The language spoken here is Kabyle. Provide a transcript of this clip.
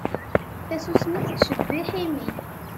Tasusmi tettcebbiḥ imi.